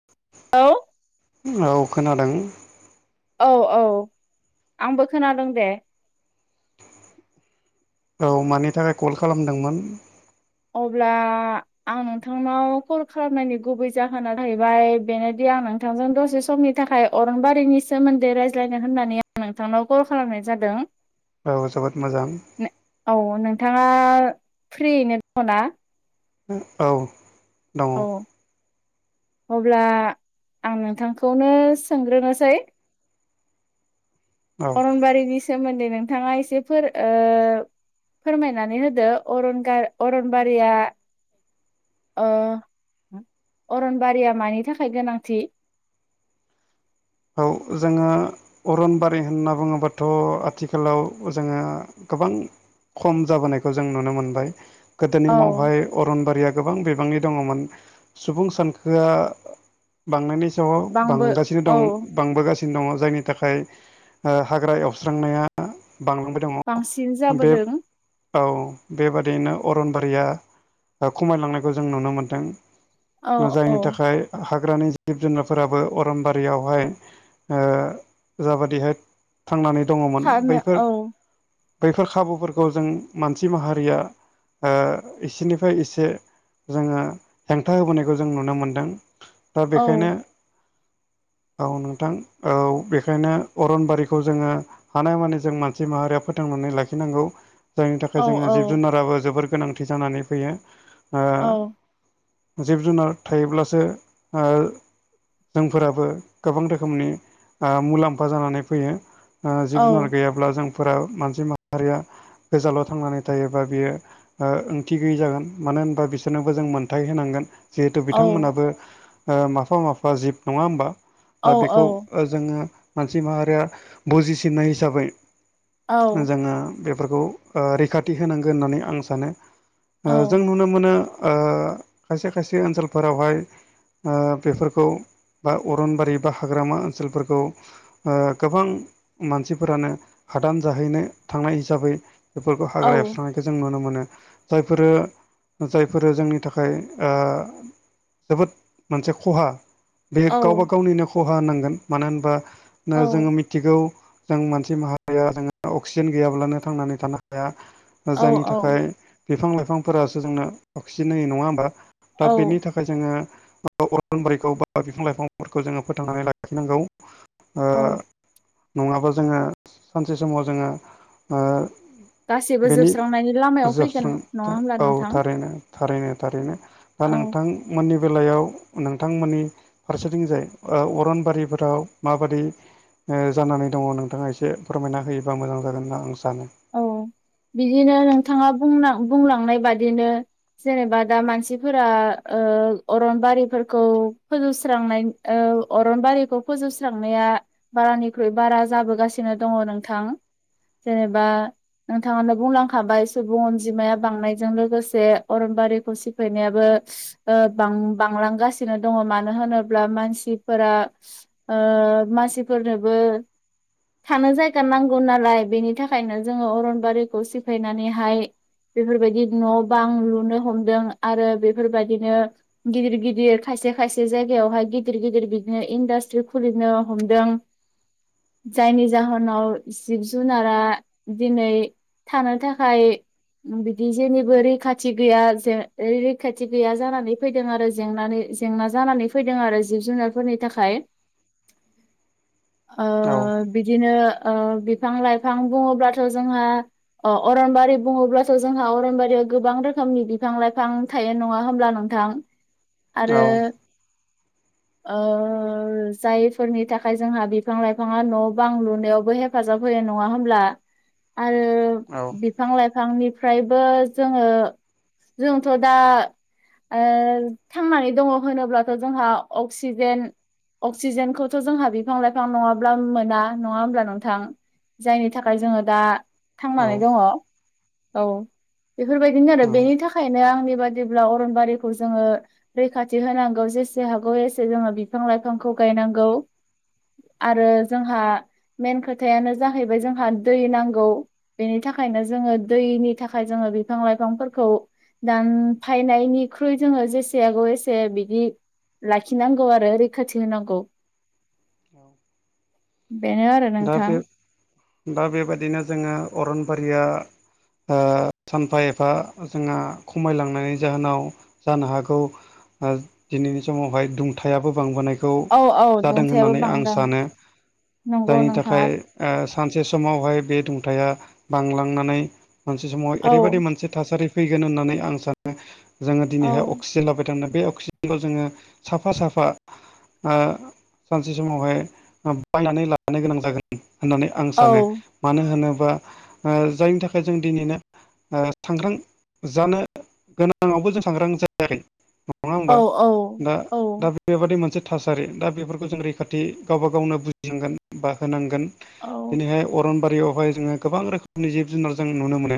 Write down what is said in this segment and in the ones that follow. [inaudible] औ। औ खोनादों। औ औ आंबो खोनादों दे। औ मानि थाखाय कल खालामदोंमोन? अब्ला आं नोंथांनाव कल खालामनायनि गुबै जाहोना जाहैबाय बेनोदि आं नोंथांजों दसे समनि थाखाय अरन बारिनि सोमोन्दै रायज्लायनो होननानै आं नोंथांनाव कल खालामनाय जादों। औ जोबोद मोजां। नो औ नोंथाङा फ्रियैनो दङ ना? उम औ। दङ औ अब्ला आं नोंथां खौनो सोंग्रो नोसै। औ अरनबारिनि सोमोन्दै नोंथाङा एसे फोर ओ फोरमायनानै होदो अरन गार अरनबारिया ओ अरनबारिया मानि थाखाय गोनांथि? औ जोङो अरनबारि होनना बुङोबाथ' आथिखालाव जोङो गोबां खम जाबोनायखौ जों नुनो मोनबाय गोदोनि औ मावहाय अरनबारिया गोबां बिबांनि दङमोन सुबुं सानखोआ बांनायनि सावाव बांबो बांगासिनो औ दं। बांबो गासिनो दङ जायनि थाखाय आ हाग्रा एवस्रांनाया बांलांबा दङ बांसिन बे जाबोदों औ बेबादियैनो अरनबारिया ओ खमायलांनायखौ जों नुनो मोन्दों। औ औ जायनि थाखाय हाग्रानि जिब जुनारफोराबो अरन बारियावहाय ओ जा बादिहाय थांनानै दङमोन थानो बैफोर औ बैफोर खाबु फोरखौ जों मानसि माहारिया ओ एसेनिफ्राय एसे जोङो हेंथा होबोनायखौ जों नुनो मोनदों दा औ बेखायनो औ नोंथां औ बेखायनो अरनबारिखौ जोङो हानाय मानि जों मानसि माहारिया फोथांनानै लाखिनांगौ। जायनि थाखाय औ जोङो जिब औ जुनाराबो जोबोर गोनांथि जानानै फैयो। ओ औ जिब जुनार थायोब्लासो ओ जोंफोराबो गोबां रोखोमनि आ मुलाम्फा जानानै फैयो आ औ जिब औ जुनार गैयाब ब्ला जोंफोरा मानसि माहारिया गोजानाव थांनानै थायोबा बियो ओ ओंथि गैयि जागोन मानो होनबा बिसोरनोबो जों मोनथाय होनांगोन। जिहेथु बिथां मोनाबो ओ माफा माफा जिब नङा होमबा? औ दा बेखौ ओ जोङो मानसि माहारिया बुजिसिननाय हिसाबै औ जोङो बेफोरखौ ओ रैखाथि होनांगो होननानै आं सानो औ ओ जों नुनो मोनो ओ खायसे खायसे ओनसोलफोरावहाय ओ बेफोरखौ बा अरनबारि बा हाग्रामा ओनसोलफोरखौ ओ गोबां मानसिफोरानो हादान जाहैनो थांनाय हिसाबै बेफोरखौ हाग्रा औ एबस्रांनाय जों नुनो मोनो जायफोरो जायफोरो जोंनि थाखाय ओ जोबोद मोनसे खहा बे औ गावबा गावनिनो खहा होननांगोन मानो होनबा नो जोङो मि थिगौ जों मानसि माहारिया जोङो अक्सिजेन गैयाब्लानो थांनानै थानो हाया औ जायनि औ थाखाय बिफां लाइफांफोरासो जोंनो अक्सिजेन होयो नङा होमबा दा बेनि औ थाख खाय जोङो अरन बारिखौ बा बिफां लाइफांफोरखौ जोङो फोथांनानै लाखिनांगौ ओ औ नङाबा जोङो सानसे समाव जोङो ओ गासैबो बेनि जोबस्रांनायनि लामायाव फैगोन जोबस्रां नङा होमब्ला औ नोंथां थारैनो थारैनो थारैनो दा औ नोंथांमोननि बेलायाव नोंथांमोननि फारसेथिंजाय ओ अरनबारिफोराव माबादि ओ जानानै दङ नोंथाङा एसे फोरमायना होयोबा मोजां जागोन होनना आं सानो औ बिदिनो नोंथाङा बुंनां बुंलांनाय बादिनो जेनेबा दा मानसिफोरा ओ अरनबारिफोरखौ फोजोबस्रांनाय ओ अरनबारिखौ फोजोबस्रांनाया बारानिख्रुइ बारा जाबोगासिनो दङ नोंथां जेनेबा नोंथाङानो बुंलांखाबाय सुबुं अनजिमाया बांनायजों लोगोसे अरनबारिखौ सिफायनायाबो ओ बां-बांलांगासिनो दङ मानो होनोब्ला मानसिफोरा ओ मानसिफोरनोबो थानो जायगा नांगौ नालाय बेनि थाख खायनो जोङो अरनबारिखौ सिफायनानैहाय बेफोरबायदि गिदिर- गिदिर खायसे -खायसे जायगायावहाय गिदिर- गिदिर बिदिनो इन्डास्ट्रि खुलिनो हमदों जायनि जाहोनाव जिब जुनारा दिनै थानो थाखाय उम बिदि जेनिबो रैखाथि गैया जे रै-रैखाथि गैया जानानै फैदों आरो जेंनानि जेंना जानानै फैदों आरो जिब जुनारफोरनि थाखाय ओ औ बिदिनो ओ बिफां लाइफां बुङोब्लाथ' जोंहा अ अरनबारि बुङोब्लाथ' जोंहा अरनबारियाव गोबां रोखोमनि बिफां लाइफां थायो नङा होमब्ला नोंथां औ आरो ओ जायफोरनि थाखाय जोंहा बिफां लाइफाङा न' बां लुनायावबो हेफाजाब होयो नङा हो ब्ला आरो औ बिफां लाइफांनिफ्रायबो जोङो जोंथ' दा ओ थांनानै दङ होनोब्लाथ' जोंहा अक्सिजेन अक्सिजेनखौथ' जोंहा बिफां लाइफां नङाब्ला मोना नङा होमब्ला नोंथां जायनि थाखाय जोङो दा थांनानै दङ औ बेफोरबायदिनो आरो औ बेनि थाखायनो आंनि बादिब्ला अरनबारिखौ जोङो रैखाथि होनांगौ जेसे हागौ एसे जोङो बिफां लाइफांखौ गायनांगौ आरो जोंहा मेन खोथायानो जाहैबाय जोंहा दै नांगौ बेनि थाखायनो जोङो दैनि थाखाय जोङो बिफां लाइफांफोरखौ दान फानायनिख्रुइ जोङो जेसे हगौ एसे बिदि लाखिनांगौ आरो रैखाथि होनांगौ बेनो आरो दा नोंथां बे दा बेबायदिनो जोङो अरनबारिया सानफा एफा जोंहा खमायलांनायनि जाहोनाव जानो हागौ दिनैनि समावहाय दुंथायाबो बांबोनायखौ औ औ जादों दुंथायाबो होननानै आं बांदों सानो नंगौ जायनि नोंथाङा थाखाय सानसे समावहाय बे दुंथाया बांलांनानै मोनसे समावहाय औ ओरैबायदि मोनसे थासारि फैगोन होननानै आं सानो। जोङो औ दिनैहाय अक्सिजेन लाबाय थानो बे अक्सिजेनखौ जोङो साफा साफा ओ सानसे समावहाय ओ बायनानै ला नो गोनां जागोन होननानै आं औ सानो। मानो होनोबा ओ जायनि थाखाय जों दिनैनो ओ थाखां जानो गोनाङावबो जों सांग्रां जा नङा औ होनबा? दा औ दा बे बेबादि मोनसे थासारि दा बेफोरखौ जों रैखाथि गावबा गावनो बुजिनांगोन बा होनांगोन। औ दिनैहाय अरनबारियावहाय जोङो गोबां रोखोमनि जिब-जुनार जों नुनो मोनो।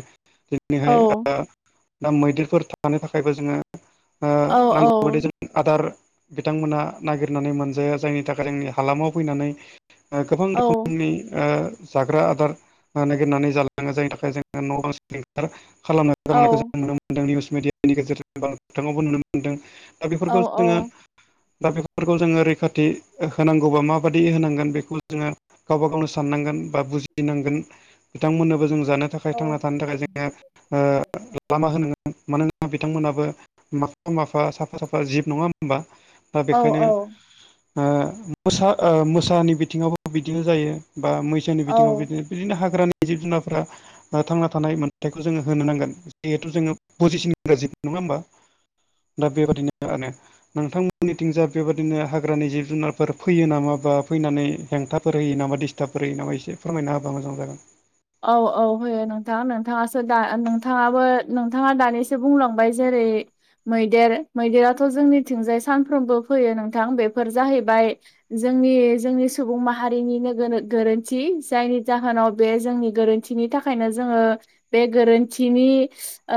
दिनैहाय औ ओ दा मैदेरफोर थानो थाखायबो जोङो ओ औ नांगौ बायदि जों आदार बिथांमोना नागिरनानै मोनजाया जायनि थाखाय जोंनि हालामाव फैनानै ओ गोबां रोखोमनि ओ जाग्रा आदार नागिरनानै जालाङो जायनि थाखाय जोङो न'आव सिलिंखार खालामनो औ नायखौ जों नुनो मोनदों निउस मिडियानि गेजेरजों बा मोगथाङावबो नुनो मोनदों दा बेफोरखौ औ जोङो दा बेफोरखौ जोङो रैखाथि होनांगौबा माबायदि होनांगोन बेखौ जोंहा गावबा गावनो साननांगोन बा बुजिनांगोन बिथांमोननोबो जोङो जानो थाखाय थांना थानो थाखाय जोङो ओ लामा होनांगोन। मानोना बिथांमोनाबो माफा माफा साफा साफा जिब नङा होनबा। दा औ बेखायनो औ ओ मोसा ओ मोसानि बि बिथिङावबो बिदिनो जायो बा मैसोनि औ बिथिङाव बिदिनो। बिदिनो हाग्रानि जिब जुनारफ्रा बा थांना थानाय मोन्थायखौ जोङो होनो नांगोन जिहेथु जोङो बुजिसिनग्रा जिब। नङा होमबा? दा बेबादिनो [unintelligible] नोंथांमोननिथिं जा बेबायदिनो हाग्रानि जिब जुनारफोर फैयो नामा बा फैनानै हेंथाफोर होयो नामा दिस्टाबफोर होयो नामा? एसे फोरमायना होबा मोजां जागौमोन। औ औ होयो नोंथां। नोंथाङासो दा नोंथाङाबो नोंथाङा दानिसो बुंलांबाय जेरै मैदेर, मैदेराथ' जोंनिथिंजाय सानफ्रोमबो फैयो नोंथां बेफोर जाहैबाय‌ जोंनि जोंनि सुबुं माहारिनिनो गोरोन्थि जायनि जाहोनाव बे जोंनि गोरोन्थिनि थाखायनो जोङो बे गोरोन्थिनि ओ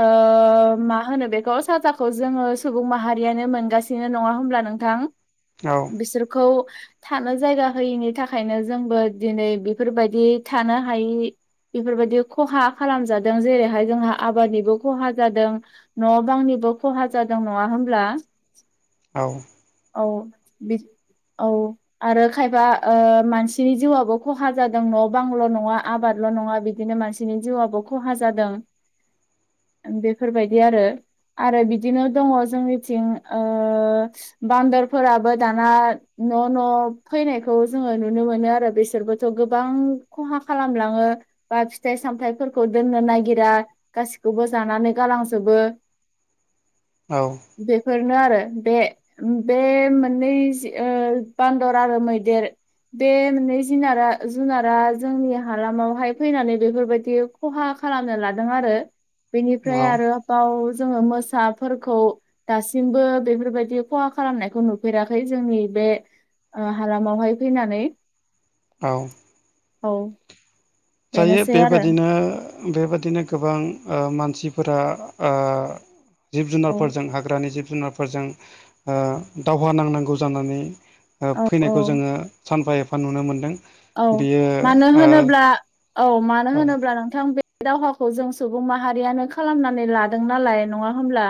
मा होनो बेखौ? साजाखौ जोङो सुबुं माहारियानो मोनगा सिनो, नङा होमब्ला नोंथां? औ बिसोरखौ थानो जायगा होयिनि थाखायनो जोंबो दिनै बेफोरबायदि थानो हायि बेफोरबायदि खहा खालामजादों जेरैहाय जोंहा आबादनिबो खहा जादों। न' बांंनिबो खहा जादों नङा होमब्ला? औ औ बि - औ आरो खायफा ओ मानसिनि जिउआबो खहा जादों न' बांल' नङा आबाद ल नङा बिदिनो मानसिनि जिउआबो खहा जादों। बेफोरबायदि आरो आरो बिदिनो दङ जोंनिथिं ओ बान्दरफोराबो दाना न' न' फैनायखौ जोङो नुनो मोनो आरो बिसोरबोथ' गोबां खहा खालामलाङो। बा फिथाइ-सामथाइफोरखौ दोननो नागिरा गासिखौबो जानानै गालांजोबो। [inaudible] औ बेफोरनो आरो बे बे मोननै जि ओ बान्दर आरो मैदेर। बे मोननै जिनारा जुनारा जोंनि हालामावहाय फैनानै बेफोरबायदि खहा खालामनो लादों आरो बेनिफ्राय आरो बाव जोङो मोसाफोरखौ दासिमबो बेफोरबायदि खहा खालामनायखौ नुफेराखै जोंनि बे ओ हालामावहाय फैनानै औ। औ। दायो बेनोसै आरो बेबादिनो बेबादिनो गोबां ओ मानसिफोरा ओ जिब औ जुनारफोरजों हाग्रानि जिब जुनारफोरजों ओ दावहा नांनांगौ जानानै ओ औ औ फैनायखौ जोङो सानफा एफा नुनो मोनदों‌। औ मानो होनोब्ला औ मानो ओ औ होनोब्ला नोंथां बे बे दावहाखौ जों सुबुं माहारियानो खालामनानै लादों नालाय नङा होमब्ला?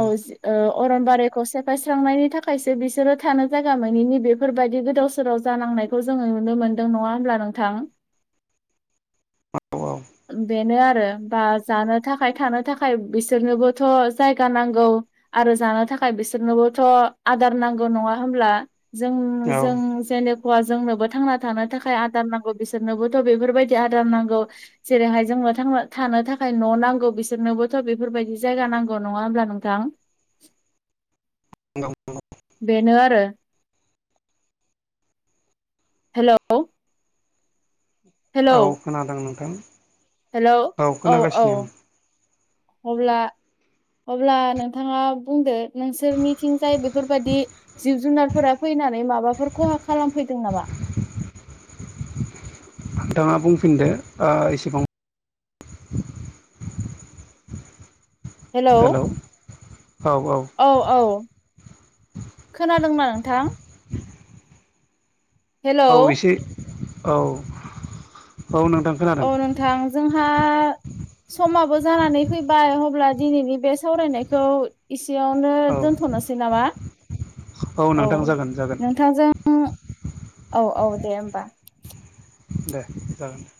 [unintelligible] ओ अरनबारिखौ सेफायस्रांनायनि थाखायसो बिसोरो थानो जायगा मनि बेफोरबायदि गोदाव बोसोराव जानांनायखौ जोङो नुनो मोन्दों नङा होनब्ला नोंथां? बेनो आरो बास जानो थाखाय थानो थाखाय बिसोरनोबोथ' जायगा नांगौ आरो जानो थाखाय बिसोरनोबोथ' आदार नांगौ नङा होमब्ला जों औ जों जेनोखया जोंनोबो थांना थानो थाखाय आदार नांगौ बिसोरनोबोथ' बेफोरबायदि आदार नांगौ। जेरैहाय जोंनो थांनो थानो थाखाय न' नांगौ बिसोरनोबोथ' बेफोरबायदि जायगा नांगौ नङा होमब्ला नोंथां? औ बेनो आरो। हेलौ। औ खोनादों नोंथां। हेल' औ औ। अब्ला अब्ला नोंथाङा बुंदो नोंसोरनि थिंजाय बेफोरबायदि जिब जुनारफोरा फैनानै माबाफोर खहा खालामफैदों नामा? नोंथाङा बुंफिनदो ओ एसेबां हेलौ औ औ। खोनादोंना नोंथां? हे औ एसे औ औ नोंथां औ खोनादों नोंथां जोंहा समाबो जानानै फैबाय अब्ला दिनैनि बे सावरायनायखौ इसेयावनो औ दोनथ'नोसै नामा? औ नोंथां जागोन जागोन नोंथांजों [unintelligible] औ औ दे होमबा। दे जागोन।